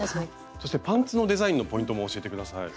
そしてパンツのデザインのポイントも教えて下さい。